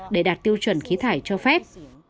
để đạt tiêu chuẩn khí thải cho phép